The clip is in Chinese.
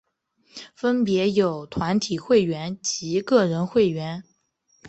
分别有团体会员及个人会员。